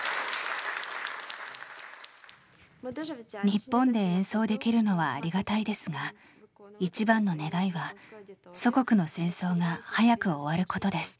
日本で演奏できるのはありがたいですが一番の願いは祖国の戦争が早く終わることです。